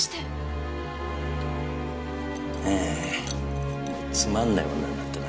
ああつまんない女になったな。